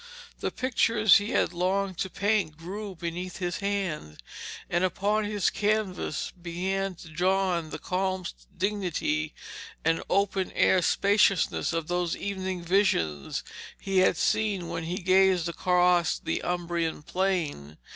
The pictures he had longed to paint grew beneath his hand, and upon his canvas began to dawn the solemn dignity and open air spaciousness of those evening visions he had seen when he gazed across the Umbrian Plain.